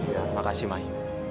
ya makasih mai